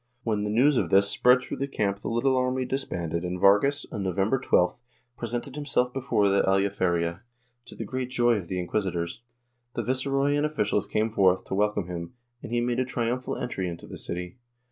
When the news of this spread through the camp the little army disbanded and Vargas, on Novem ber 12th, presented himself before the Aljaferia, to the great joy of the inquisitors. The viceroy and officials came forth to welcome him, and he made a triumphal entry into the city.